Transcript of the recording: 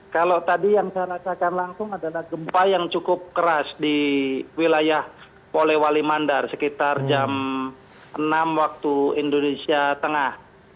kalau tadi yang saya rasakan langsung adalah gempa yang cukup keras di wilayah polewali mandar sekitar jam enam waktu indonesia tengah